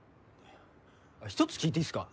１つ聞いていいっすか？